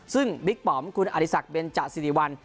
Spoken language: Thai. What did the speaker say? ซึ่งบิ๊กปอมคุณอริสักเบนจสิริวัล